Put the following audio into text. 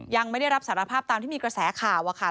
ยังไม่ได้รับสารภาพตามที่มีกระแสข่าว